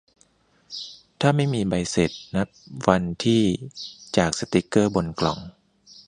ถ้าไม่มีใบเสร็จ นับวันที่จากสติ๊กเกอร์บนกล่อง